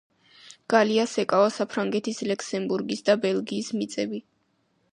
გალიას ეკავა საფრანგეთის, ლუქსემბურგის და ბელგიის მიწები.